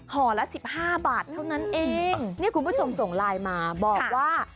ห่อละ๑๕บาทเท่านั้นเองนี่คุณผู้ชมส่งไลน์มาบอกว่า